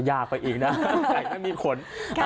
ยากไปอีกนะไก่ไม่มีขน